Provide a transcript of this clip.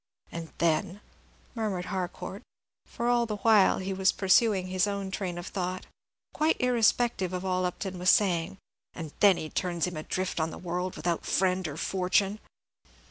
"And then," murmured Harcourt, for all the while he was pursuing his own train of thought, quite irrespective of all Upton was saying, "and then he turns him adrift on the world without friend or fortune."